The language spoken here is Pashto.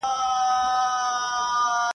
خپل نصیب وي غلامۍ لره روزلي !.